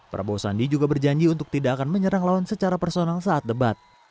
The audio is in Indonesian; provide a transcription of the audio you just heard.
prabowo sandi juga berjanji untuk tidak akan menyerang lawan secara personal saat debat